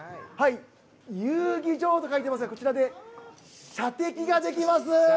遊技場と書いてますがこちらで射的ができます。